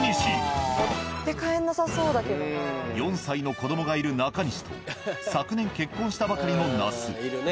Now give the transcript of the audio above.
４歳の子供がいる中西と昨年結婚したばかりの那須。